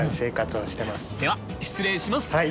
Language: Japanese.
では失礼します。